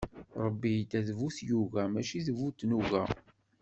Ṛebbi idda d bu tyuga, mačči d bu tnuga.